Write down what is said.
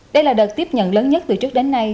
đây là đợt tiếp nhận lớn nhất từ trước đến nay